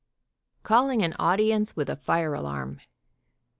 CALLING AN AUDIENCE WITH A FIRE ALARM.